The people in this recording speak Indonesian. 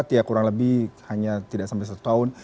dua ribu dua puluh empat ya kurang lebih hanya tidak sampai satu tahun